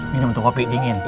minum tuh kopi dingin